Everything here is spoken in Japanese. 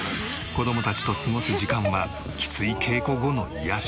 子どもたちと過ごす時間はきつい稽古後の癒やし。